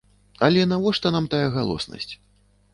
Але навошта нам тая галоснасць?